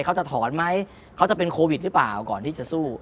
เขาจะถอนไหมเขาจะเป็นโควิดหรือเปล่าก่อนที่จะสู้